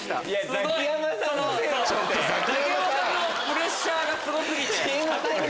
ザキヤマさんのプレッシャーがすご過ぎて。